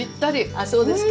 あっそうですか。